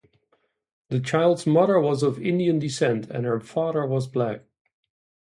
The child's mother was of Indian descent and her father was black.